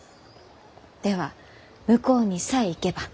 では向こうにさえ行けば。